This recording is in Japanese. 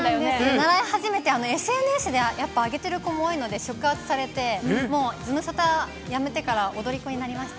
習い始めて、ＳＮＳでやっぱ上げてる子も多いので、触発されて、もうズムサタやめてから踊り子になりました。